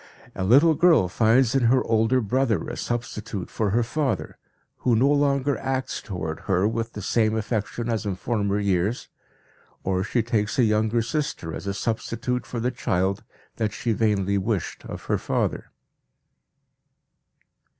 A little girl finds in her older brother a substitute for her father, who no longer acts towards her with the same affection as in former years, or she takes a younger sister as a substitute for the child that she vainly wished of her father.